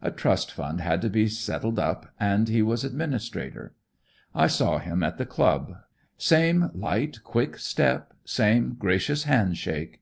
A trust fund had to be settled up, and he was administrator. I saw him at the club; same light, quick step, same gracious handshake.